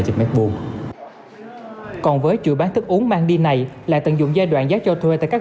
trực mét vuông còn với chuỗi bán thức uống mang đi này lại tận dụng giai đoạn giá cho thuê tại các